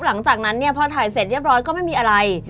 หลังจากนั้นเนี่ยพอถ่ายเสร็จเรียบร้อยก็ไม่มีอะไร